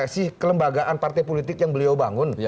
sih kelembagaan partai politik yang beliau bangun